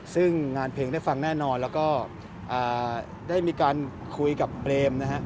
ซึ่งงานเพลงได้ฟังแน่นอนแล้วก็ได้มีการคุยกับเปรมนะฮะ